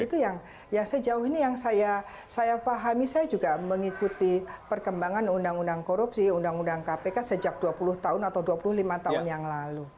itu yang ya sejauh ini yang saya pahami saya juga mengikuti perkembangan undang undang korupsi undang undang kpk sejak dua puluh tahun atau dua puluh lima tahun yang lalu